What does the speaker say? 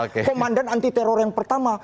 komandan anti teror yang pertama